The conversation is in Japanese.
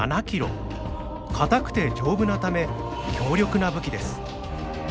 硬くて丈夫なため強力な武器です。